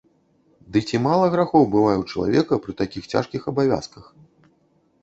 Ды ці мала грахоў бывае ў чалавека пры такіх цяжкіх абавязках?